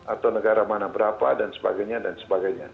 atau negara mana berapa dan sebagainya dan sebagainya